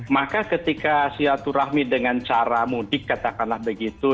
maka ketika silaturahmi dengan cara mudik katakanlah begitu